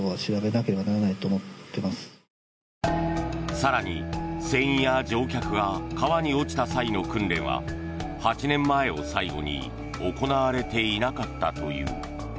更に、船員や乗客が川に落ちた際の訓練は８年前を最後に行われていなかったという。